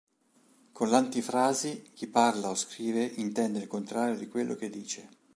Con l'antifrasi, chi parla o scrive intende il contrario di quello che dice.